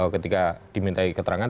ketika diminta keterangan